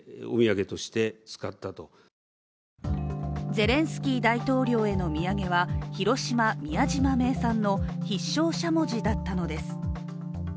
ゼレンスキー大統領への土産は広島・宮島名産の必勝しゃもじだったのです。